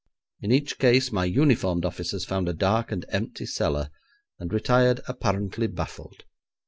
In each case my uniformed officers found a dark and empty cellar, and retired apparently baffled.